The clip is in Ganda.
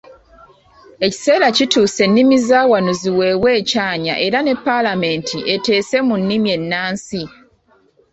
Ekiseera kituuse ennimi za wano ziweebwe ekyanya era ne Paalamenti eteese mu nnimi ennansi.